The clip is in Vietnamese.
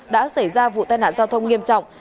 đã xảy ra vụ tai nạn giao thông nghiêm trọng